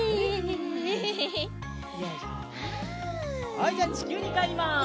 はいじゃあちきゅうにかえります。